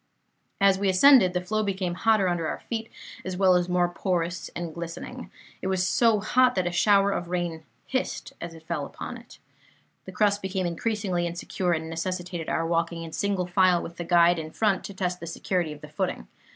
"As we ascended, the flow became hotter under our feet, as well as more porous and glistening. It was so hot that a shower of rain hissed as it fell upon it. The crust became increasingly insecure, and necessitated our walking in single file with the guide in front, to test the security of the footing.